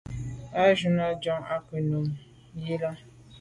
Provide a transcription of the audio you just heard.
À ke njù à njon à ku’ num i là.